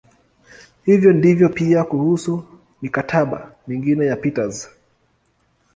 Hivyo ndivyo pia kuhusu "mikataba" mingine ya Peters.